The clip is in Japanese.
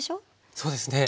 そうですね。